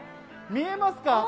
見えますか。